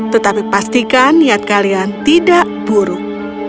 tetapi pastikan niat kalian tidak buruk